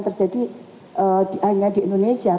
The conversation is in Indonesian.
terjadi hanya di indonesia